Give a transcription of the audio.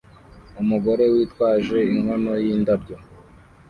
Umugore witwaje inkono yindabyo